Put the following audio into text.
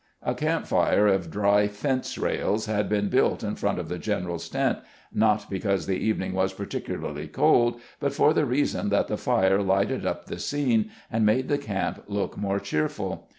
A camp fixe of dry fence rails had been built in front of the general's tent, not because the evening was par ticularly cold, but for the reason that the fire lighted up the scene and made the camp look more cheerful.